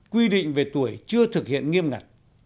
quy định về tuổi chưa thực hiện nghiêm ngặt